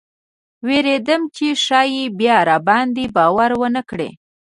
ویرېدم چې ښایي بیا راباندې باور ونه کړي.